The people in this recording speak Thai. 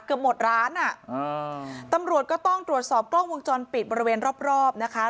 เกือบหมดร้านอ่ะอ่าตำรวจก็ต้องตรวจสอบกล้องวงจรปิดบริเวณรอบรอบนะคะ